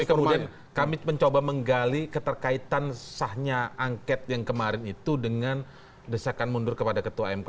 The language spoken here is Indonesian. tapi kemudian kami mencoba menggali keterkaitan sahnya angket yang kemarin itu dengan desakan mundur kepada ketua mk